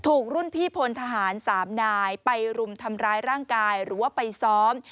ถูกรุ่นพี่พลทหาร๓นายไปรุมทำร้ายร่างกายหรือว่าไปซ้อม